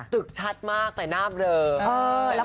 ตึกชัดมากแต่หน้าเบลอ